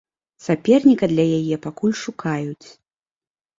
Саперніка для яе пакуль шукаюць.